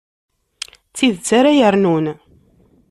D tidet ara yernun.